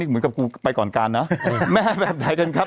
แม่แบบไหนกันครับ